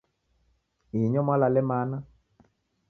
Inyo mwalale mana?